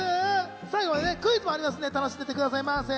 最後はクイズもありますので、楽しんでください。